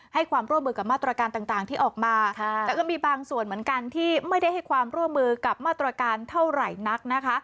ให้ความร่วมมือกับมาตรการต่างที่ออกมาแต่ก็มีบางส่วนเหมือนกันที่ไม่ได้ให้ความร่วมมือกับมาตรการเท่าไหร่นักนะคะ